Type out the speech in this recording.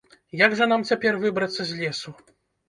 - Як жа нам цяпер выбрацца з лесу?